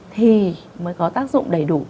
thì mới có tác dụng đầy đủ